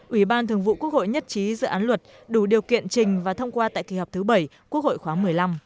ủy ban thường vụ quốc hội nhất trí dự án luật đủ điều kiện trình và thông qua tại kỳ họp thứ bảy quốc hội khoáng một mươi năm